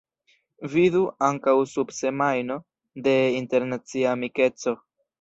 Vidu ankaŭ sub Semajno de Internacia Amikeco.